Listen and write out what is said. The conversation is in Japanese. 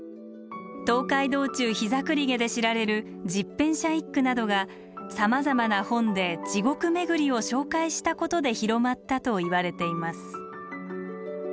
「東海道中膝栗毛」で知られる十返舎一九などがさまざまな本で地獄めぐりを紹介したことで広まったといわれています。